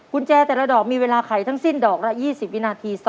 คุณแจแต่ละดอกมีเวลาไขทั้งสิ้นดอกละ๒๐วินาที